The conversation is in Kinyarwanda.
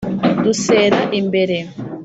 dusera imbere